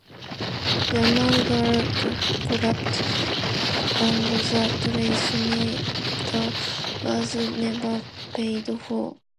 The merger collapsed, and the transmitter was never paid for.